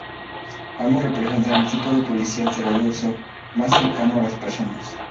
Ambos representan el tipo de policía heterodoxo, más cercano a las personas.